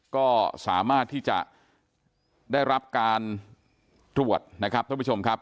ก็สามารถที่จะได้รับการตรวจนะครับท่านผู้ชมครับ